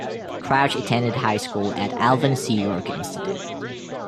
Crouch attended high school at Alvin C. York Institute.